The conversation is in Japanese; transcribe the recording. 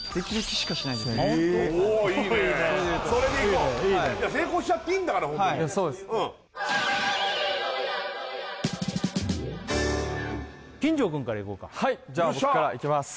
おいいねそれでいこういいね成功しちゃっていいんだからホントにそうです金城くんからいこうかはいじゃあ僕からいきます